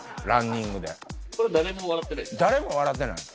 これ誰も笑ってないです。